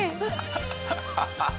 アハハハ。